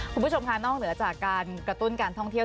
คุณผู้ชมค่ะนอกเหนือจากการกระตุ้นการท่องเที่ยว